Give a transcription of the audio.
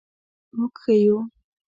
مونږ ښه یو